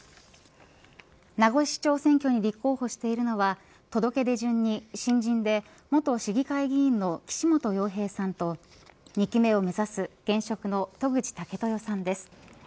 名護市長選挙に立候補しているのは届け出順に新人で元市議会議員の岸本洋平さんと２期目を目指す現職の渡具知武豊さんです。